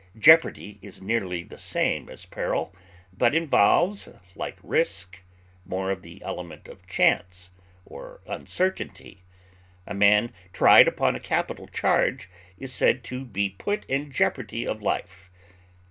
Jeopardy is nearly the same as peril, but involves, like risk, more of the element of chance or uncertainty; a man tried upon a capital charge is said to be put in jeopardy of life.